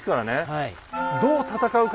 はい。